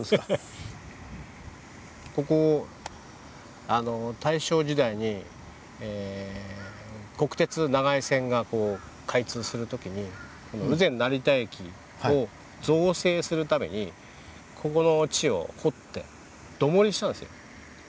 ここあの大正時代に国鉄長井線が開通する時に羽前成田駅を造成するためにここの地を掘って土盛りしたんですよ。